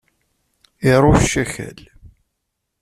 Irucc akal.